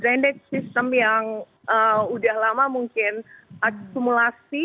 pendek system yang udah lama mungkin akumulasi